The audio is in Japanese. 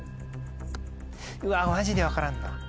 うわマジで分からんな。